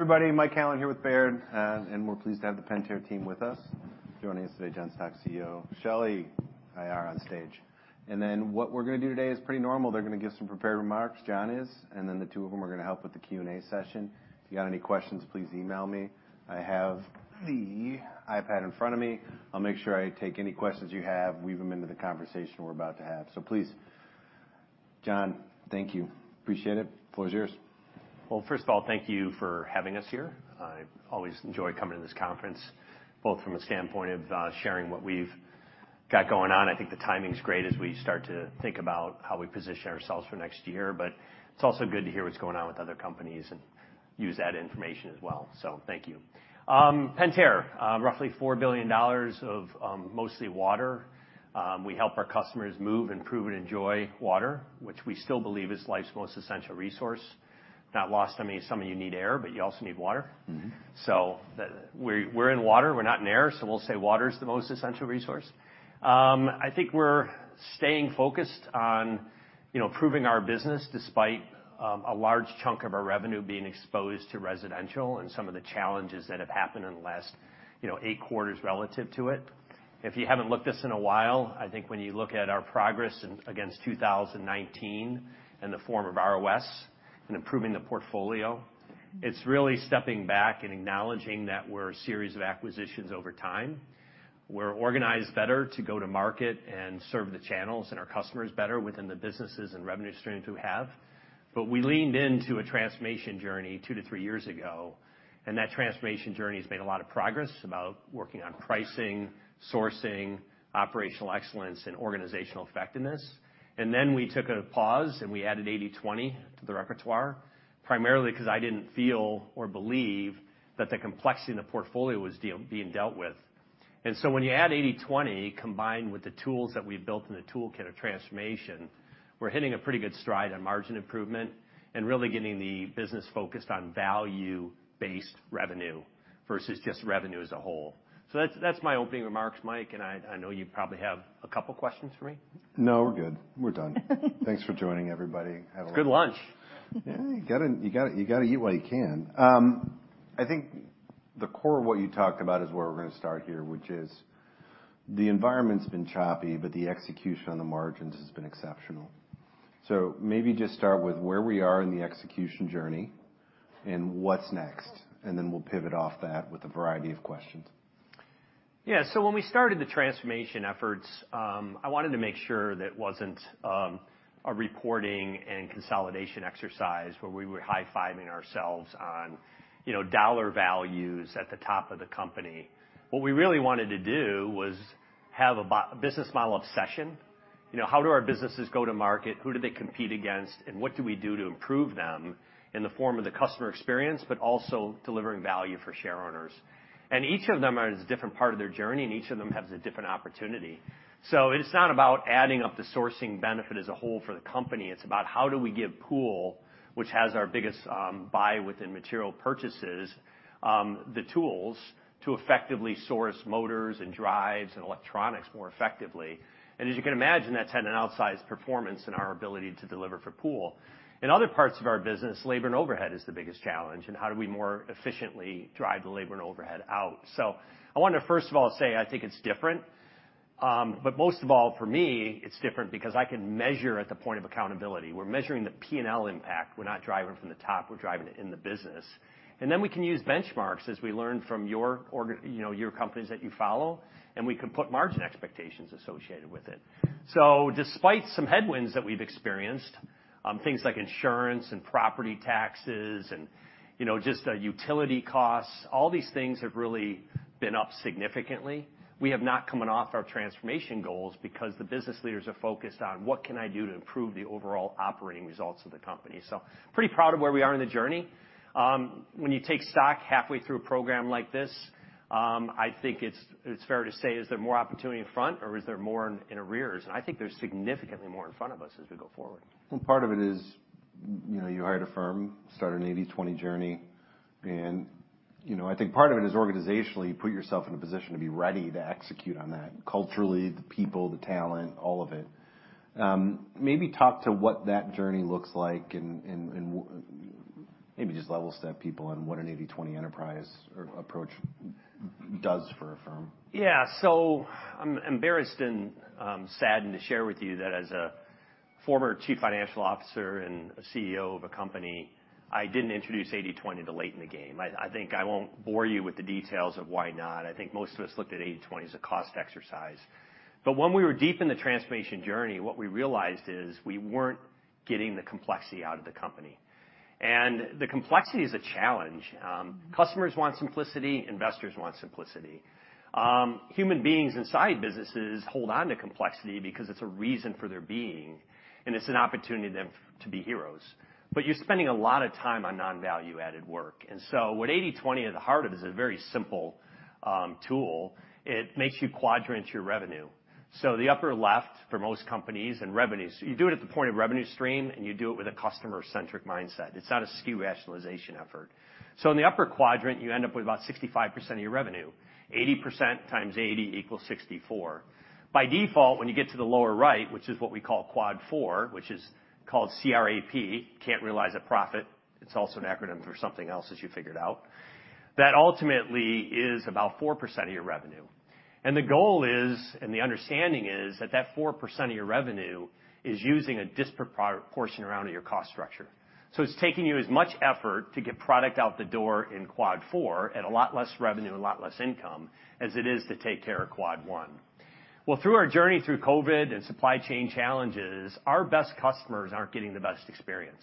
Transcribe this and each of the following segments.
Everybody, Mike Halloran here with Baird, and we're pleased to have the Pentair team with us. Joining us today, John Stauch, CEO. Shelly, IR on stage. And then what we're going to do today is pretty normal. They're going to give some prepared remarks. John is, and then the two of them are going to help with the Q&A session. If you got any questions, please email me. I have the iPad in front of me. I'll make sure I take any questions you have, weave them into the conversation we're about to have. So please, John, thank you. Appreciate it. The floor is yours. First of all, thank you for having us here. I always enjoy coming to this conference, both from a standpoint of sharing what we've got going on. I think the timing is great as we start to think about how we position ourselves for next year, but it's also good to hear what's going on with other companies and use that information as well. So thank you. Pentair, roughly $4 billion of mostly water. We help our customers move, improve, and enjoy water, which we still believe is life's most essential resource. Not lost on me, some of you need air, but you also need water. So we're in water, we're not in air, so we'll say water is the most essential resource. I think we're staying focused on proving our business despite a large chunk of our revenue being exposed to residential and some of the challenges that have happened in the last eight quarters relative to it. If you haven't looked at this in a while, I think when you look at our progress against 2019 and the form of ROS and improving the portfolio, it's really stepping back and acknowledging that we're a series of acquisitions over time. We're organized better to go to market and serve the channels and our customers better within the businesses and revenue streams we have. But we leaned into a transformation journey two to three years ago, and that transformation journey has made a lot of progress about working on pricing, sourcing, operational excellence, and organizational effectiveness. And then we took a pause and we added 80/20 to the repertoire, primarily because I didn't feel or believe that the complexity in the portfolio was being dealt with. And so when you add 80/20 combined with the tools that we've built in the toolkit of transformation, we're hitting a pretty good stride on margin improvement and really getting the business focused on value-based revenue versus just revenue as a whole. So that's my opening remarks, Mike, and I know you probably have a couple of questions for me. No, we're good. We're done. Thanks for joining, everybody. Have a lovely day. Good lunch. Yeah, you got to eat what you can. I think the core of what you talked about is where we're going to start here, which is the environment's been choppy, but the execution on the margins has been exceptional. So maybe just start with where we are in the execution journey and what's next, and then we'll pivot off that with a variety of questions. Yeah, so when we started the transformation efforts, I wanted to make sure that it wasn't a reporting and consolidation exercise where we were high-fiving ourselves on dollar values at the top of the company. What we really wanted to do was have a business model obsession. How do our businesses go to market? Who do they compete against? And what do we do to improve them in the form of the customer experience, but also delivering value for share owners? And each of them is a different part of their journey, and each of them has a different opportunity. So it's not about adding up the sourcing benefit as a whole for the company. It's about how do we give Pool, which has our biggest buy within material purchases, the tools to effectively source motors and drives and electronics more effectively. As you can imagine, that's had an outsized performance in our ability to deliver for Pool. In other parts of our business, labor and overhead is the biggest challenge, and how do we more efficiently drive the labor and overhead out? I want to, first of all, say I think it's different, but most of all, for me, it's different because I can measure at the point of accountability. We're measuring the P&L impact. We're not driving from the top. We're driving it in the business. Then we can use benchmarks as we learn from your companies that you follow, and we can put margin expectations associated with it. Despite some headwinds that we've experienced, things like insurance and property taxes and just utility costs, all these things have really been up significantly. We have not come off our transformation goals because the business leaders are focused on what can I do to improve the overall operating results of the company, so pretty proud of where we are in the journey. When you take stock halfway through a program like this, I think it's fair to say, is there more opportunity in front or is there more in arrears, and I think there's significantly more in front of us as we go forward. Part of it is you hired a firm, started an 80/20 journey, and I think part of it is organizationally you put yourself in a position to be ready to execute on that. Culturally, the people, the talent, all of it. Maybe talk to what that journey looks like and maybe just level step people on what an 80/20 enterprise approach does for a firm. Yeah, so I'm embarrassed and saddened to share with you that as a Former Chief Financial Officer and a CEO of a company, I didn't introduce 80/20 too late in the game. I think I won't bore you with the details of why not. I think most of us looked at 80/20 as a cost exercise. But when we were deep in the transformation journey, what we realized is we weren't getting the complexity out of the company. And the complexity is a challenge. Customers want simplicity. Investors want simplicity. Human beings inside businesses hold on to complexity because it's a reason for their being, and it's an opportunity to be heroes. But you're spending a lot of time on non-value-added work. And so what 80/20 at the heart of it is a very simple tool. It makes you quadrant your revenue. So the upper left for most companies and revenues, you do it at the point of revenue stream, and you do it with a customer-centric mindset. It's not a skew rationalization effort. So in the upper quadrant, you end up with about 65% of your revenue. 80% x 80 = 64. By default, when you get to the lower right, which is what we call Quad four, which is called CRAP, can't realize a profit. It's also an acronym for something else, as you figured out. That ultimately is about 4% of your revenue. And the goal is, and the understanding is that that 4% of your revenue is using a disproportionate portion of your cost structure. So it's taking you as much effort to get product out the door in quad four at a lot less revenue and a lot less income as it is to take care of quad one. Well, through our journey through COVID and supply chain challenges, our best customers aren't getting the best experience.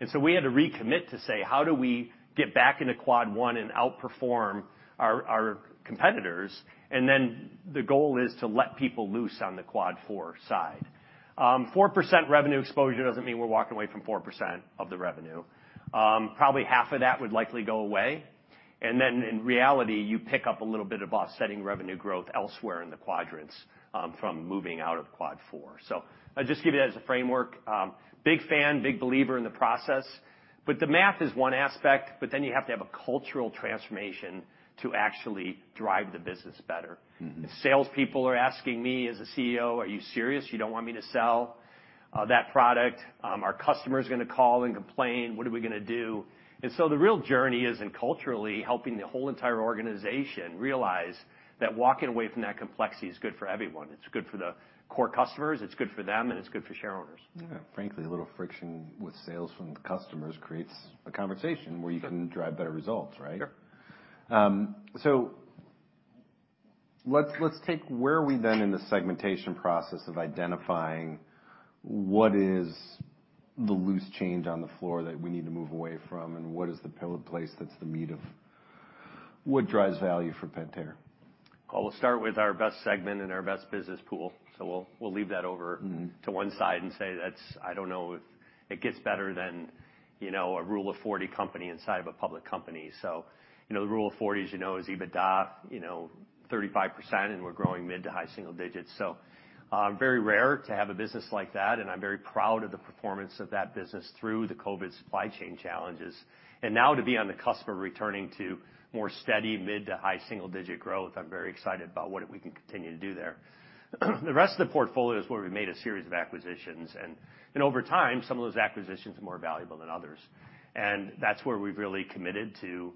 And so we had to recommit to say, how do we get back into quad one and outperform our competitors? And then the goal is to let people loose on the quad four side. 4% revenue exposure doesn't mean we're walking away from 4% of the revenue. Probably half of that would likely go away. And then in reality, you pick up a little bit of offsetting revenue growth elsewhere in the quadrants from moving out of quad four. So I'll just give you that as a framework. Big fan, big believer in the process. But the math is one aspect, but then you have to have a cultural transformation to actually drive the business better. Salespeople are asking me as a CEO, are you serious? You don't want me to sell that product? Are customers going to call and complain? What are we going to do? And so the real journey is in culturally helping the whole entire organization realize that walking away from that complexity is good for everyone. It's good for the core customers. It's good for them, and it's good for share owners. Yeah, frankly, a little friction with sales from the customers creates a conversation where you can drive better results, right? Sure. So let's take where we've been in the segmentation process of identifying what is the loose change on the floor that we need to move away from and what is the pillar place that's the meat of what drives value for Pentair? We'll start with our best segment and our best business Pool. So we'll leave that over to one side and say that's, I don't know if it gets better than a Rule of 40 company inside of a public company. So the Rule of 40 is EBITDA 35%, and we're growing mid- to high-single-digits. So very rare to have a business like that, and I'm very proud of the performance of that business through the COVID supply chain challenges. And now to see the customer returning to more steady mid- to high-single-digit growth, I'm very excited about what we can continue to do there. The rest of the portfolio is where we made a series of acquisitions, and over time, some of those acquisitions are more valuable than others. That's where we've really committed to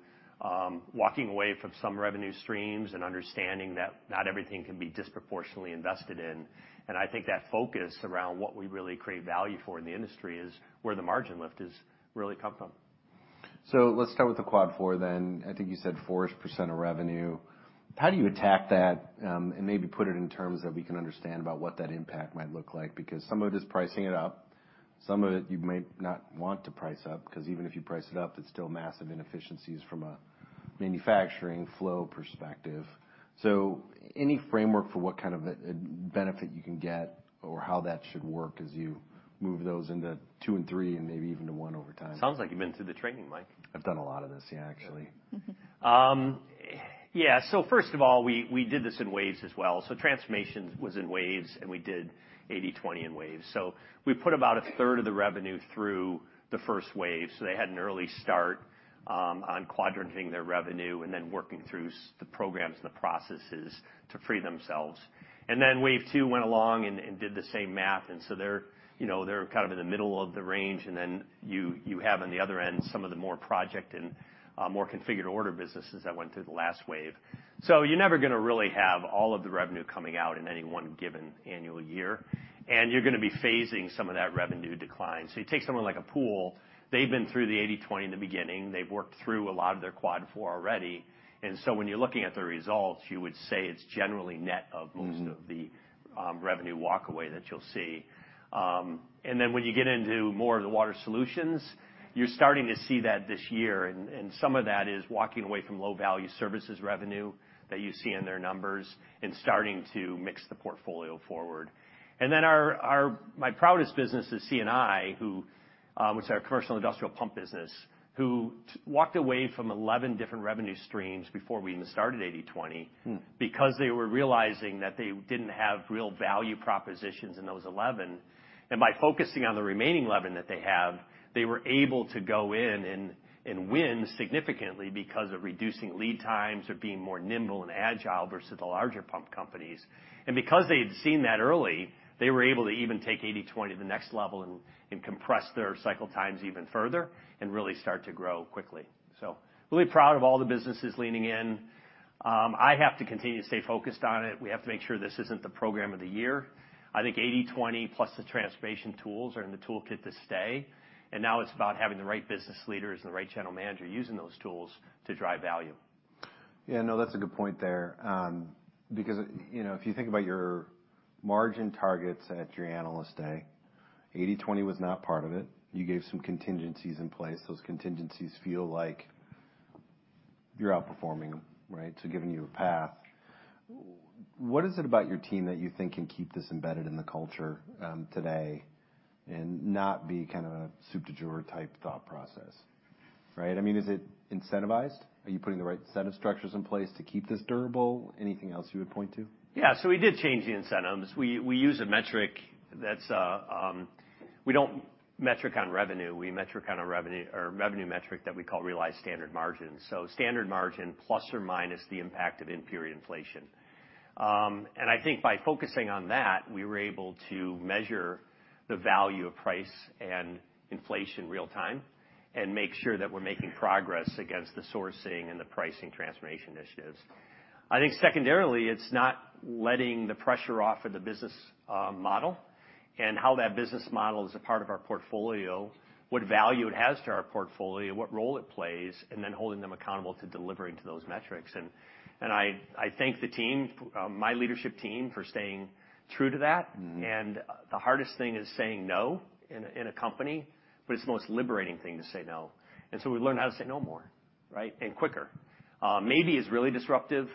walking away from some revenue streams and understanding that not everything can be disproportionately invested in. I think that focus around what we really create value for in the industry is where the margin lift has really come from. So let's start with the Quad four then. I think you said 4% of revenue. How do you attack that and maybe put it in terms that we can understand about what that impact might look like? Because some of it is pricing it up. Some of it you might not want to price up because even if you price it up, it's still massive inefficiencies from a manufacturing flow perspective. So any framework for what kind of benefit you can get or how that should work as you move those into two and three and maybe even to one over time? Sounds like you've been through the training, Mike. I've done a lot of this, yeah, actually. Yeah, so first of all, we did this in waves as well. Transformation was in waves, and we did 80/20 in waves. We put about a third of the revenue through the first wave. They had an early start on quadranting their revenue and then working through the programs and the processes to free themselves. Wave two went along and did the same math. They're kind of in the middle of the range, and then you have on the other end some of the more project and more configured order businesses that went through the last wave. You're never going to really have all of the revenue coming out in any one given annual year, and you're going to be phasing some of that revenue decline. You take someone like a pool. They've been through the 80/20 in the beginning. They've worked through a lot of their Quad four already. And so when you're looking at the results, you would say it's generally net of most of the revenue walk away that you'll see. And then when you get into more of the water solutions, you're starting to see that this year, and some of that is walking away from low value services revenue that you see in their numbers and starting to mix the portfolio forward. And then my proudest business is C&I, which is our commercial industrial pump business, who walked away from 11 different revenue streams before we even started 80/20 because they were realizing that they didn't have real value propositions in those 11. And by focusing on the remaining 11 that they have, they were able to go in and win significantly because of reducing lead times or being more nimble and agile versus the larger pump companies. And because they had seen that early, they were able to even take 80/20 to the next level and compress their cycle times even further and really start to grow quickly. So really proud of all the businesses leaning in. I have to continue to stay focused on it. We have to make sure this isn't the program of the year. I think 80/20 plus the transformation tools are in the toolkit to stay. And now it's about having the right business leaders and the right general manager using those tools to drive value. Yeah, no, that's a good point there because if you think about your margin targets at your analyst day, 80/20 was not part of it. You gave some contingencies in place. Those contingencies feel like you're outperforming them, right? So giving you a path. What is it about your team that you think can keep this embedded in the culture today and not be kind of a soup-to-nuts type thought process, right? I mean, is it incentivized? Are you putting the right set of structures in place to keep this durable? Anything else you would point to? Yeah, so we did change the incentives. We use a metric that's we don't metric on revenue. We metric on a revenue or revenue metric that we call realized standard margins, so standard margin plus or minus the impact of input inflation. And I think by focusing on that, we were able to measure the value of price and inflation real time and make sure that we're making progress against the sourcing and the pricing transformation initiatives. I think secondarily, it's not letting the pressure off of the business model and how that business model is a part of our portfolio, what value it has to our portfolio, what role it plays, and then holding them accountable to delivering to those metrics, and I thank the team, my leadership team for staying true to that. The hardest thing is saying no in a company, but it's the most liberating thing to say no. We've learned how to say no more, right, and quicker. Maybe it's really disruptive.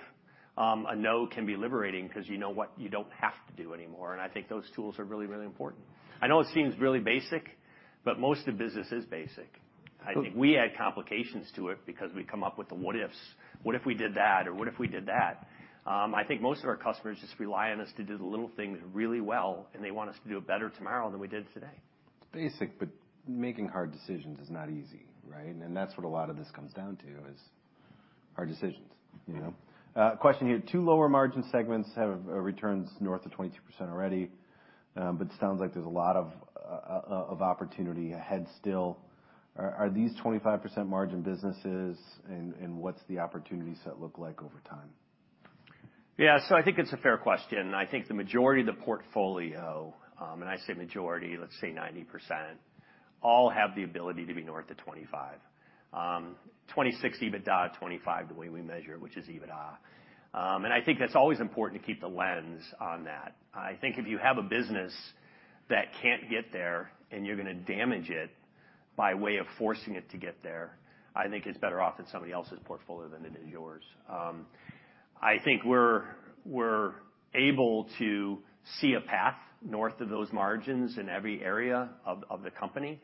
A no can be liberating because you know what you don't have to do anymore. I think those tools are really, really important. I know it seems really basic, but most of the business is basic. I think we add complications to it because we come up with the what ifs. What if we did that or what if we did that? I think most of our customers just rely on us to do the little things really well, and they want us to do it better tomorrow than we did today. It's basic, but making hard decisions is not easy, right? And that's what a lot of this comes down to is hard decisions. Question here. Two lower margin segments have returns north of 22% already, but it sounds like there's a lot of opportunity ahead still. Are these 25% margin businesses and what's the opportunity set look like over time? Yeah, so I think it's a fair question. I think the majority of the portfolio, and I say majority, let's say 90%, all have the ability to be north of 25. 20/60, EBITDA 25 the way we measure it, which is EBITDA. And I think that's always important to keep the lens on that. I think if you have a business that can't get there and you're going to damage it by way of forcing it to get there, I think it's better off in somebody else's portfolio than it is yours. I think we're able to see a path north of those margins in every area of the company.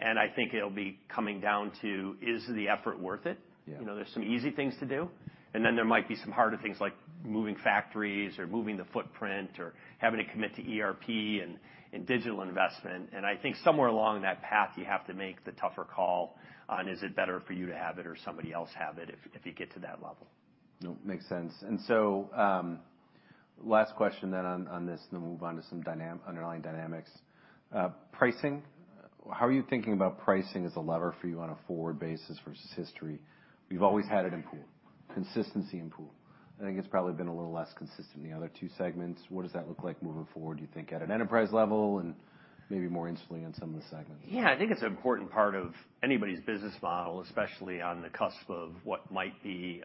And I think it'll be coming down to is the effort worth it? There's some easy things to do, and then there might be some harder things like moving factories or moving the footprint or having to commit to ERP and digital investment and I think somewhere along that path, you have to make the tougher call on, is it better for you to have it or somebody else have it if you get to that level. No, makes sense. And so last question then on this and then move on to some underlying dynamics. Pricing, how are you thinking about pricing as a lever for you on a forward basis versus history? We've always had it in pool, consistency in pool. I think it's probably been a little less consistent in the other two segments. What does that look like moving forward, do you think, at an enterprise level and maybe more specifically on some of the segments? Yeah, I think it's an important part of anybody's business model, especially on the cusp of what might be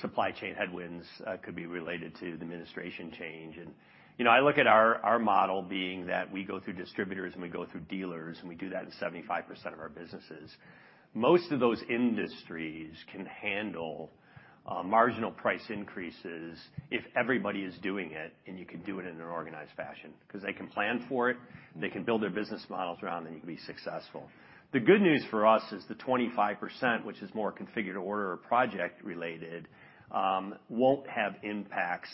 supply chain headwinds could be related to the administration change, and I look at our model being that we go through distributors and we go through dealers, and we do that in 75% of our businesses. Most of those industries can handle marginal price increases if everybody is doing it and you can do it in an organized fashion because they can plan for it, they can build their business models around, and you can be successful. The good news for us is the 25%, which is more configured order or project related, won't have impacts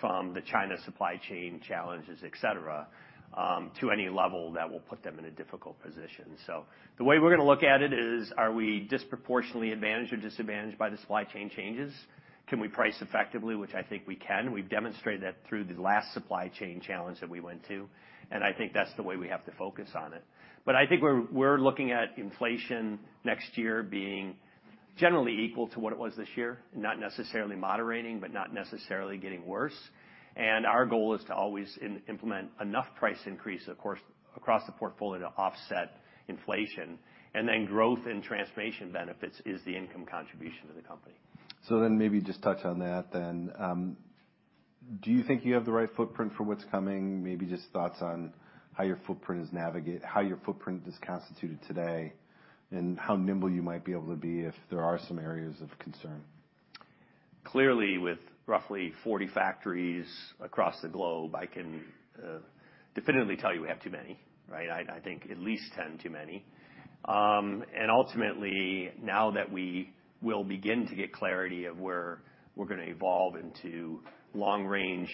from the China supply chain challenges, etc., to any level that will put them in a difficult position. So the way we're going to look at it is, are we disproportionately advantaged or disadvantaged by the supply chain changes? Can we price effectively, which I think we can? We've demonstrated that through the last supply chain challenge that we went to, and I think that's the way we have to focus on it. But I think we're looking at inflation next year being generally equal to what it was this year, not necessarily moderating, but not necessarily getting worse. And our goal is to always implement enough price increase, of course, across the portfolio to offset inflation. And then growth and transformation benefits is the income contribution to the company. So then maybe just touch on that then. Do you think you have the right footprint for what's coming? Maybe just thoughts on how your footprint is navigated, how your footprint is constituted today, and how nimble you might be able to be if there are some areas of concern? Clearly, with roughly 40 factories across the globe, I can definitively tell you we have too many, right? I think at least 10 too many, and ultimately, now that we will begin to get clarity of where we're going to evolve into long-range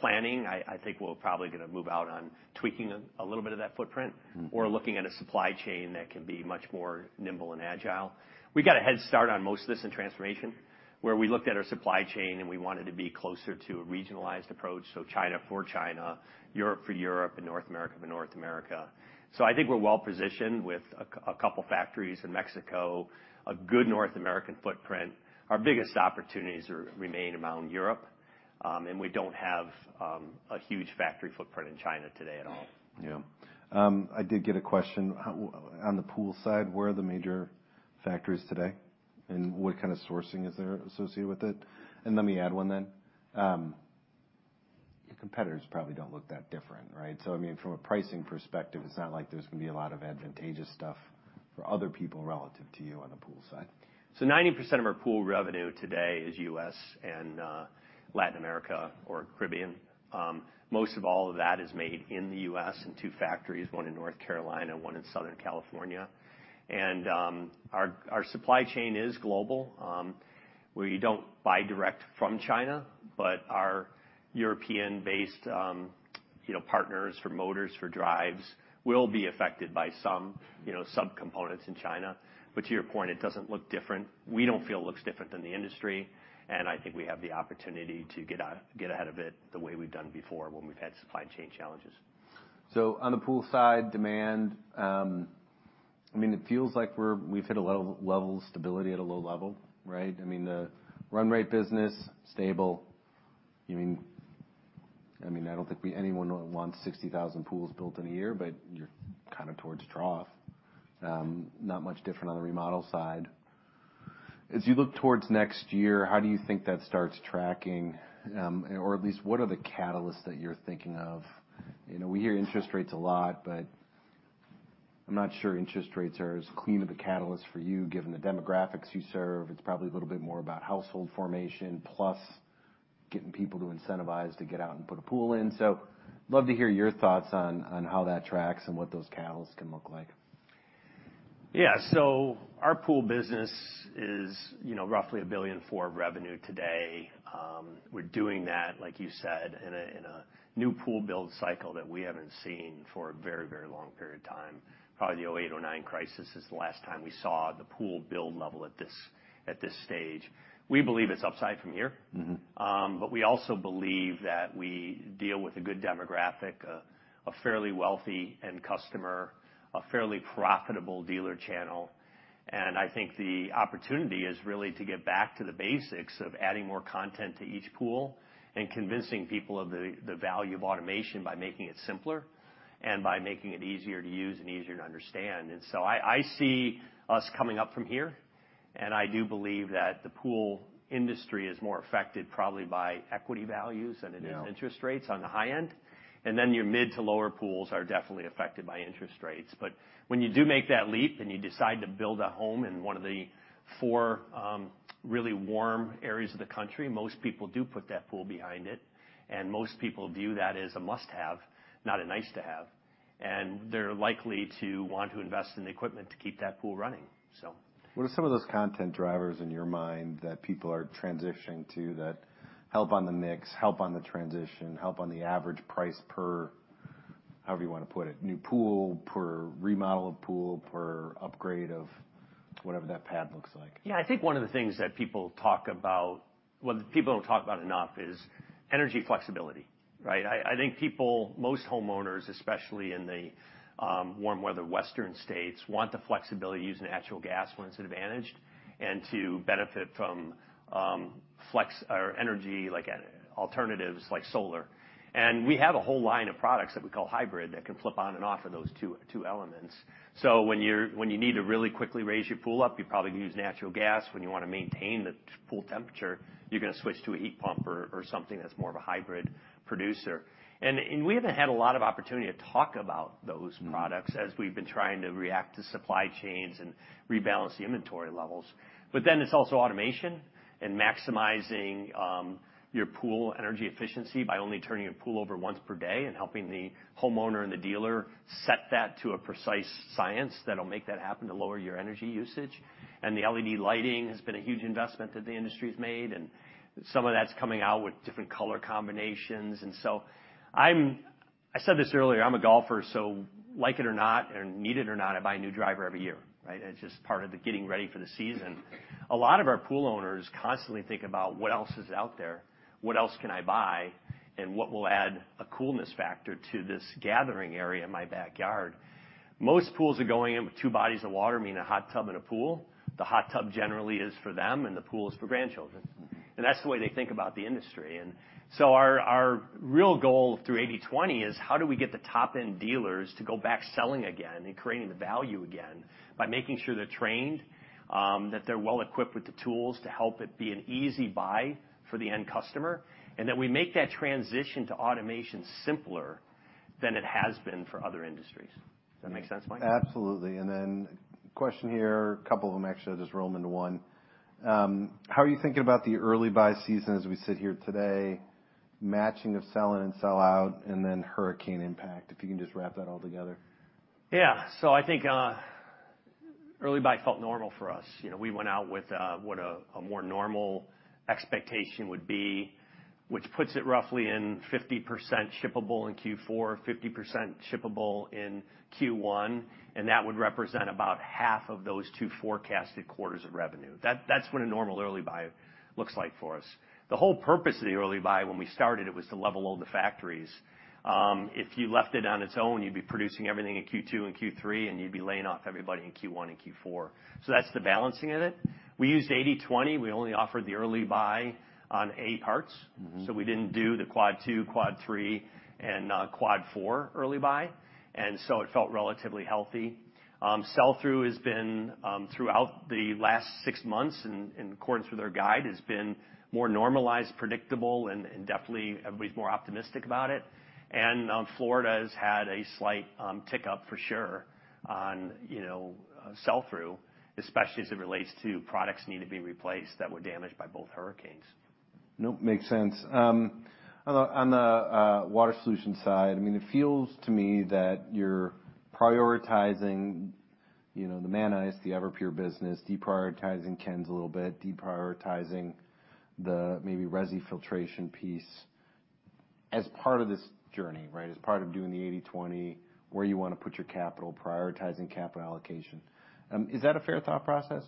planning, I think we're probably going to move out on tweaking a little bit of that footprint or looking at a supply chain that can be much more nimble and agile. We got a head start on most of this in transformation where we looked at our supply chain and we wanted to be closer to a regionalized approach, so China for China, Europe for Europe, and North America for North America, so I think we're well positioned with a couple of factories in Mexico, a good North American footprint. Our biggest opportunities remain around Europe, and we don't have a huge factory footprint in China today at all. Yeah. I did get a question. On the pool side, where are the major factories today and what kind of sourcing is there associated with it? And let me add one then. Your competitors probably don't look that different, right? So I mean, from a pricing perspective, it's not like there's going to be a lot of advantageous stuff for other people relative to you on the pool side. So 90% of our pool revenue today is U.S. and Latin America or Caribbean. Most of all of that is made in the U.S. in two factories, one in North Carolina, one in Southern California. And our supply chain is global where you don't buy direct from China, but our European-based partners for motors for drives will be affected by some subcomponents in China. But to your point, it doesn't look different. We don't feel it looks different than the industry, and I think we have the opportunity to get ahead of it the way we've done before when we've had supply chain challenges. On the pool side, demand, I mean, it feels like we've hit a level of stability at a low level, right? I mean, the run rate business, stable. I mean, I don't think anyone wants 60,000 pools built in a year, but you're kind of towards draw-off. Not much different on the remodel side. As you look towards next year, how do you think that starts tracking, or at least what are the catalysts that you're thinking of? We hear interest rates a lot, but I'm not sure interest rates are as clean of a catalyst for you. Given the demographics you serve, it's probably a little bit more about household formation plus getting people to incentivize to get out and put a pool in. I'd love to hear your thoughts on how that tracks and what those catalysts can look like. Yeah, so our pool business is roughly $1.4 billion of revenue today. We're doing that, like you said, in a new pool build cycle that we haven't seen for a very, very long period of time. Probably the 2008, 2009 crisis is the last time we saw the pool build level at this stage. We believe it's upside from here, but we also believe that we deal with a good demographic, a fairly wealthy end customer, a fairly profitable dealer channel. And I think the opportunity is really to get back to the basics of adding more content to each pool and convincing people of the value of automation by making it simpler and by making it easier to use and easier to understand. And so I see us coming up from here, and I do believe that the pool industry is more affected probably by equity values than it is interest rates on the high end. And then your mid to lower pools are definitely affected by interest rates. But when you do make that leap and you decide to build a home in one of the four really warm areas of the country, most people do put that pool behind it, and most people view that as a must-have, not a nice-to-have. And they're likely to want to invest in the equipment to keep that pool running, so. What are some of those content drivers in your mind that people are transitioning to that help on the mix, help on the transition, help on the average price per, however you want to put it, new pool, per remodel of pool, per upgrade of whatever that pad looks like? Yeah, I think one of the things that people talk about, well, people don't talk about enough, is energy flexibility, right? I think people, most homeowners, especially in the warm weather western states, want the flexibility to use natural gas when it's advantaged and to benefit from energy alternatives like solar. And we have a whole line of products that we call hybrid that can flip on and off of those two elements. So when you need to really quickly raise your pool up, you probably use natural gas. When you want to maintain the pool temperature, you're going to switch to a heat pump or something that's more of a hybrid producer. And we haven't had a lot of opportunity to talk about those products as we've been trying to react to supply chains and rebalance the inventory levels. But then it's also automation and maximizing your pool energy efficiency by only turning your pool over once per day and helping the homeowner and the dealer set that to a precise science that'll make that happen to lower your energy usage. And the LED lighting has been a huge investment that the industry has made, and some of that's coming out with different color combinations. And so I said this earlier, I'm a golfer, so like it or not, or need it or not, I buy a new driver every year, right? It's just part of the getting ready for the season. A lot of our pool owners constantly think about what else is out there, what else can I buy, and what will add a coolness factor to this gathering area in my backyard. Most pools are going in with two bodies of water, meaning a hot tub and a pool. The hot tub generally is for them, and the pool is for grandchildren. And that's the way they think about the industry. And so our real goal through 80/20 is how do we get the top-end dealers to go back selling again and creating the value again by making sure they're trained, that they're well equipped with the tools to help it be an easy buy for the end customer, and that we make that transition to automation simpler than it has been for other industries. Does that make sense, Mike? Absolutely, and then question here, a couple of them actually just roll into one. How are you thinking about the early buy season as we sit here today, matching of sell-in and sell-out, and then hurricane impact? If you can just wrap that all together. Yeah, so I think early buy felt normal for us. We went out with what a more normal expectation would be, which puts it roughly in 50% shippable in Q4, 50% shippable in Q1, and that would represent about half of those two forecasted quarters of revenue. That's what a normal early buy looks like for us. The whole purpose of the early buy when we started, it was to level all the factories. If you left it on its own, you'd be producing everything in Q2 and Q3, and you'd be laying off everybody in Q1 and Q4. So that's the balancing of it. We used 80/20. We only offered the early buy on A parts, so we didn't do the quad two, quad three, and quad four early buy. And so it felt relatively healthy. Sell-through has been throughout the last six months, in accordance with our guide, has been more normalized, predictable, and definitely everybody's more optimistic about it, and Florida has had a slight tick up for sure on sell-through, especially as it relates to products needing to be replaced that were damaged by both hurricanes. No, makes sense. On the water solution side, I mean, it feels to me that you're prioritizing the Manis, the Everpure business, deprioritizing Ken's a little bit, deprioritizing the maybe resi filtration piece as part of this journey, right? As part of doing the 80/20, where you want to put your capital, prioritizing capital allocation. Is that a fair thought process?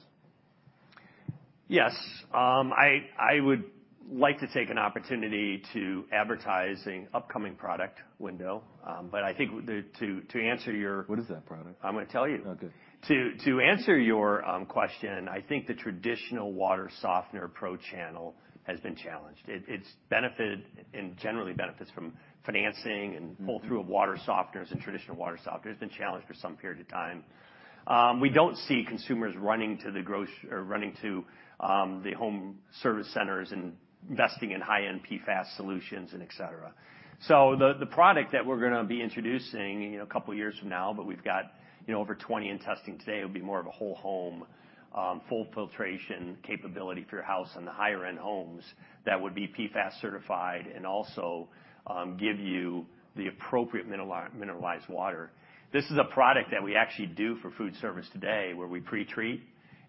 Yes. I would like to take an opportunity to advertise an upcoming product window, but I think to answer your. What is that product? I'm going to tell you. Oh, good. To answer your question, I think the traditional water softener pro channel has been challenged. It's benefited and generally benefits from financing and pull-through of water softeners and traditional water softeners. It's been challenged for some period of time. We don't see consumers running to the home service centers and investing in high-end PFAS solutions, etc. So the product that we're going to be introducing a couple of years from now, but we've got over 20 in testing today, would be more of a whole home full filtration capability for your house and the higher-end homes that would be PFAS certified and also give you the appropriate mineralized water. This is a product that we actually do for food service today where we pre-treat,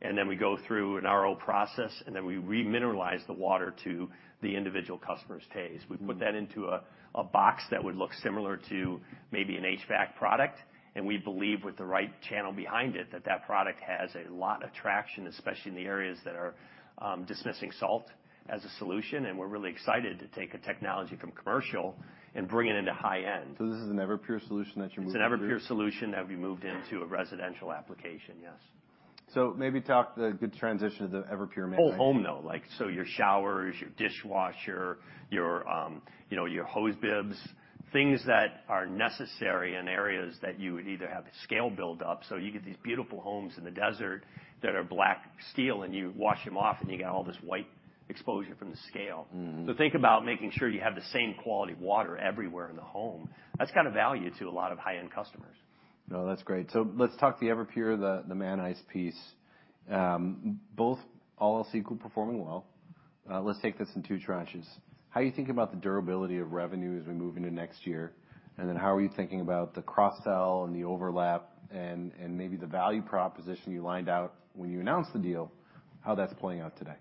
and then we go through an RO process, and then we remineralize the water to the individual customer's taste. We put that into a box that would look similar to maybe an HVAC product, and we believe with the right channel behind it that that product has a lot of traction, especially in the areas that are dismissing salt as a solution, and we're really excited to take a technology from commercial and bring it into high-end. So this is an Everpure solution that you moved into? It's an Everpure solution that we moved into a residential application, yes. So maybe talk the good transition to the Everpure mix? Whole home though, like so your showers, your dishwasher, your hose bibs, things that are necessary in areas that you would either have scale build-up. So you get these beautiful homes in the desert that are black steel, and you wash them off, and you got all this white exposure from the scale. So think about making sure you have the same quality of water everywhere in the home. That's got a value to a lot of high-end customers. No, that's great. So let's talk the Everpure, the Manis piece. Both all else equal performing well. Let's take this in two tranches. How are you thinking about the durability of revenue as we move into next year? And then how are you thinking about the cross-sell and the overlap and maybe the value proposition you laid out when you announced the deal, how that's playing out today?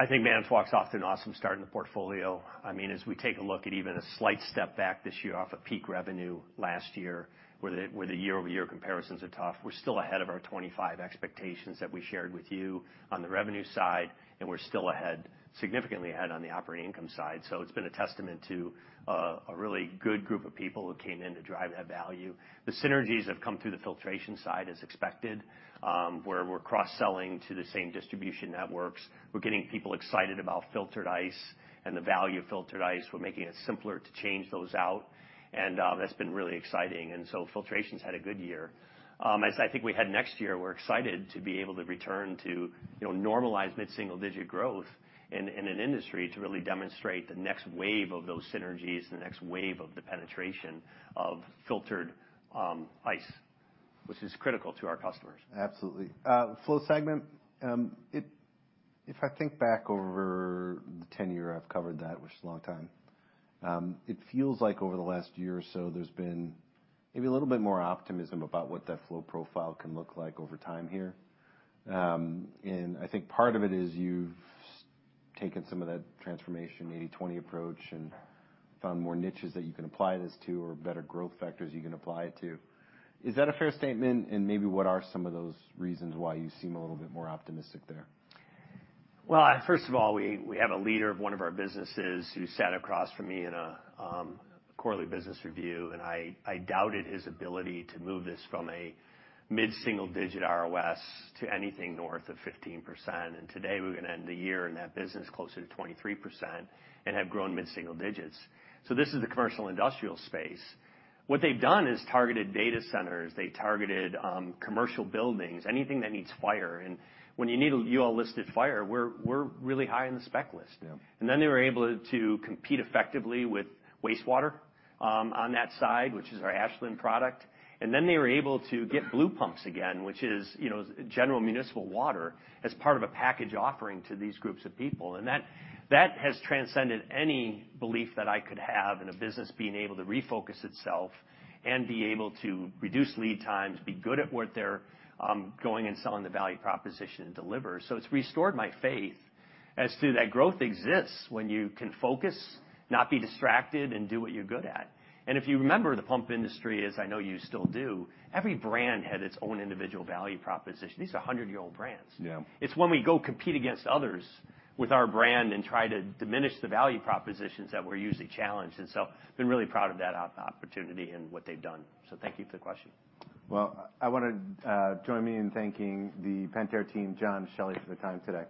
I think Manitowoc's an awesome start in the portfolio. I mean, as we take a look at even a slight step back this year off of peak revenue last year where the year-over-year comparisons are tough, we're still ahead of our 2025 expectations that we shared with you on the revenue side, and we're still significantly ahead on the operating income side. So it's been a testament to a really good group of people who came in to drive that value. The synergies have come through the filtration side as expected where we're cross-selling to the same distribution networks. We're getting people excited about filtered ice and the value of filtered ice. We're making it simpler to change those out, and that's been really exciting. And so filtration's had a good year. As I think we head next year, we're excited to be able to return to normalized mid-single-digit growth in an industry to really demonstrate the next wave of those synergies and the next wave of the penetration of filtered ice, which is critical to our customers. Absolutely. Flow segment, if I think back over the 10-year I've covered that, which is a long time, it feels like over the last year or so there's been maybe a little bit more optimism about what that flow profile can look like over time here, and I think part of it is you've taken some of that transformation 80/20 approach and found more niches that you can apply this to or better growth factors you can apply it to. Is that a fair statement, and maybe what are some of those reasons why you seem a little bit more optimistic there? Well, first of all, we have a leader of one of our businesses who sat across from me in a quarterly business review, and I doubted his ability to move this from a mid-single-digit ROS to anything north of 15%. And today we're going to end the year in that business closer to 23% and have grown mid-single digits. So this is the commercial industrial space. What they've done is targeted data centers. They targeted commercial buildings, anything that needs fire. And when you need a UL-listed fire, we're really high in the spec list. And then they were able to compete effectively with wastewater on that side, which is our Ashland product. And then they were able to get blue pumps again, which is general municipal water as part of a package offering to these groups of people. That has transcended any belief that I could have in a business being able to refocus itself and be able to reduce lead times, be good at what they're going and selling the value proposition and deliver. So it's restored my faith as to that growth exists when you can focus, not be distracted, and do what you're good at. If you remember the pump industry, as I know you still do, every brand had its own individual value proposition. These are 100-year-old brands. It's when we go compete against others with our brand and try to diminish the value propositions that we're usually challenged. I've been really proud of that opportunity and what they've done. Thank you for the question. I want you to join me in thanking the Pentair team, John, Shelly for their time today.